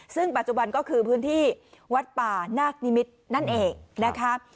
ซึ่งปัจจุบันก็คือพื้นที่วัดป่านาคนิมิตรนั่นเองนะคะ